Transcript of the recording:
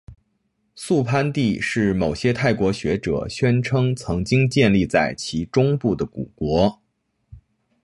素攀地是某些泰国学者宣称曾经建立在其中部的古国。